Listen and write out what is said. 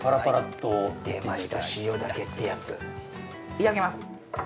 いただきます。